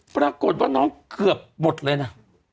ปรากฏว่าน้องเกือบหมดเลยนะ